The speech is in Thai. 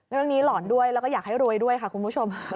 หลอนด้วยแล้วก็อยากให้รวยด้วยค่ะคุณผู้ชม